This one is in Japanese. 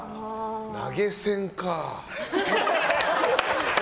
投げ銭か。